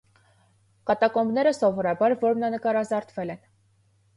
Կատակոմբները սովորաբար որմնանկարազարդվել են։